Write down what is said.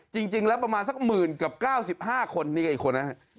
จริงแล้วประมาณซักหมื่นกับ๙๕คน